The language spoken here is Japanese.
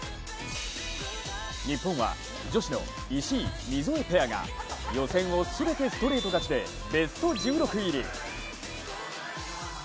日本は女子の石井・溝江ペアが予選を全てストレート勝ちでベスト１６入り。